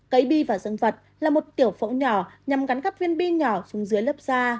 cấy bi và dương vật là một tiểu phẫu nhỏ nhằm gắn gắp viên bi nhỏ xuống dưới lớp da